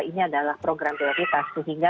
ini adalah program prioritas sehingga